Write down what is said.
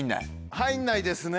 入んないですね。